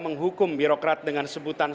menghukum birokrat dengan sebutan